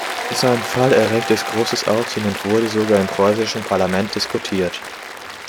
Sein Fall erregte großes Aufsehen und wurde sogar im preußischen Parlament diskutiert.